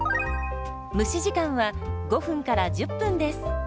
蒸し時間は５１０分です。